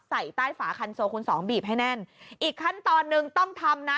ใส่ใต้ฝาคันโซคูณสองบีบให้แน่นอีกขั้นตอนหนึ่งต้องทำนะ